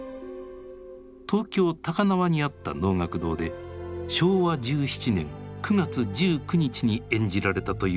東京・高輪にあった能楽堂で昭和１７年９月１９日に演じられたという記録が残されていた。